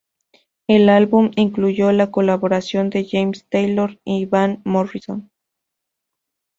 El álbum incluyó la colaboración de James Taylor y Van Morrison.